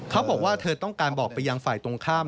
เขาบอกว่าเธอต้องการบอกไปยังฝ่ายตรงข้าม